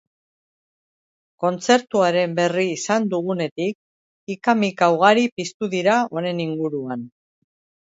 Kontzertuaren berri izan dugunetik, hika-mika ugari piztu dira honen inguruan.